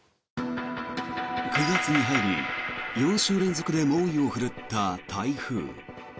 ９月に入り４週連続で猛威を振るった台風。